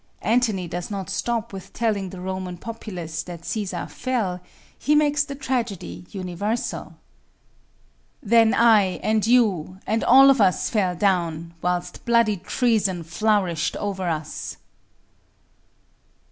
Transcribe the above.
Antony does not stop with telling the Roman populace that Cæsar fell he makes the tragedy universal: Then I, and you, and all of us fell down, Whilst bloody treason flourished over us.